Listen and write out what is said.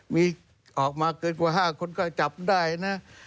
มีออกมาเกินกว่า๕คนก็จับได้นะ